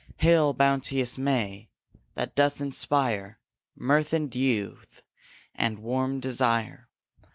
Hail, bounteous May, that doth inspire Mirth and youth and warm desire!